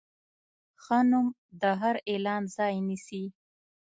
ښه نوم د هر اعلان ځای نیسي.